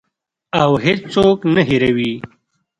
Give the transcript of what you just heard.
او هیڅوک نه هیروي.